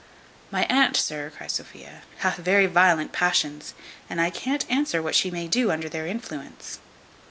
"My aunt, sir," cries Sophia, "hath very violent passions, and I can't answer what she may do under their influence."